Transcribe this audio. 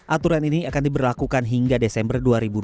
aturan ini akan diberlakukan hingga desember dua ribu dua puluh